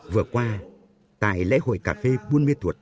vừa qua tại lễ hội cà phê buôn mi thuột